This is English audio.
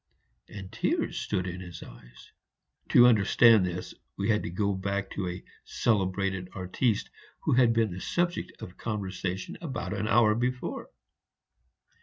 and tears stood in his eyes. To understand this, we had to go back to a celebrated artiste, who had been the subject of conversation an hour before.